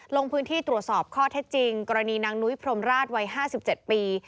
ลงพื้นที่ตรวจสอบข้อเท็จจริงกรณีนางนุ้ยพรมราชวัย๕๗ปี